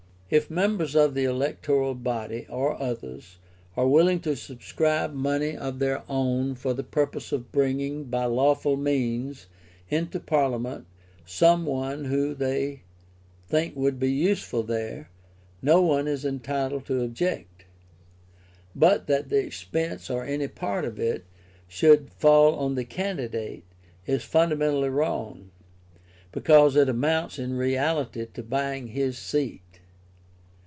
If members of the electoral body, or others, are willing to subscribe money of their own for the purpose of bringing, by lawful means, into Parliament some one who they think would be useful there, no one is entitled to object: but that the expense, or any part of it, should fall on the candidate, is fundamentally wrong; because it amounts in reality to buying his seat.